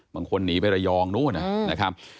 หนีไประยองนู้นนะครับ